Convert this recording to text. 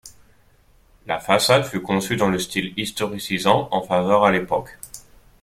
La façade fut conçue dans le style historicisant en faveur à l’époque.